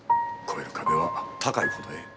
越える壁は高いほどええ。